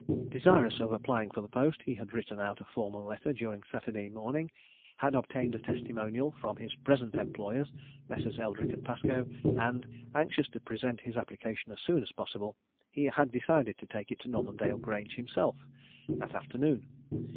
Desirous of applying for the post, he had written out a formal letter during Saturday morning, had obtained a testimonial from his present employers, Messrs. Eldrick & Pascoe, and, anxious to present his application as soon as possible, had decided to take it to Normandale Grange himself, that afternoon.